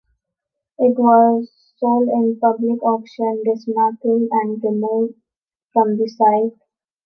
It was sold in a public auction, dismantled and removed from the site.